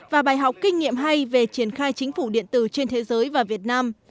và bài học kinh nghiệm hay về triển khai chính phủ điện tử trên thế giới và việt nam